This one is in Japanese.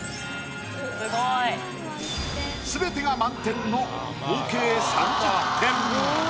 全てが満点の合計３０点。